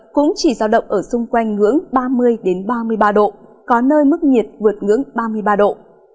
cũng chỉ giao động ở xung quanh ngưỡng ba mươi ba mươi ba độ có nơi mức nhiệt vượt ngưỡng ba mươi ba độ